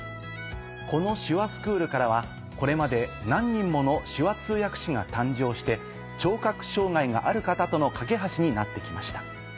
この手話スクールからはこれまで何人もの手話通訳士が誕生して聴覚障がいがある方との架け橋になってきました。